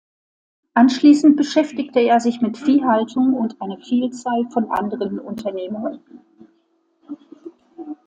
Anschließend beschäftigte er sich mit Viehhaltung und eine Vielzahl von anderen Unternehmungen.